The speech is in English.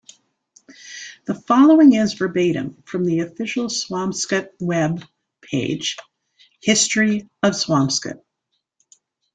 The following is verbatim from the official Swampscott web page: History of Swampscott.